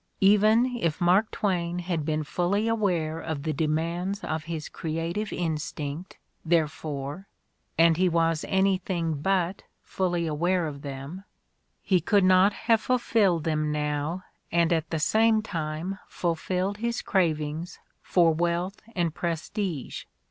Even if Mark Twain had been fully aware of the demands of his creative instinct, therefore — and he was anything but fully aware of them — he could not have fulfilled them now and at the same time fulfilled his craving for wealth and prestige.